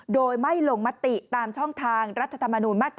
โดยไม่ลงมติตามช่องทางรัฐธรรมนูญมาตรา